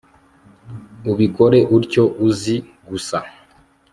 ubikore utyo uzi.gusa